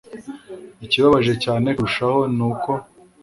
ikibabaje cyane kurushaho ni uko